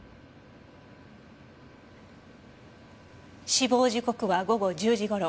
死亡時刻は午後１０時頃。